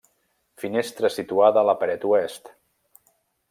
Finestra situada a la paret oest.